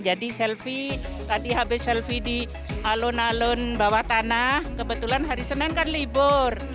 jadi selfie tadi habis selfie di alun alun bawah tanah kebetulan hari senin kan libur